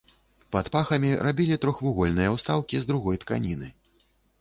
Пад пахамі рабілі трохвугольныя ўстаўкі з другой тканіны.